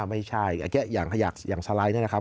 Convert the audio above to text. ไม่ใช่อย่างสไลด์นี่นะครับ